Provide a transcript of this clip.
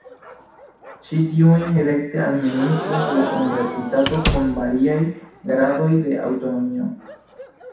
Ĉi tiujn rekte administras la universitato kun variaj gradoj de aŭtonomio.